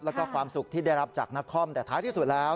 แล้วก็ความสุขที่ได้รับจากนครแต่ท้ายที่สุดแล้ว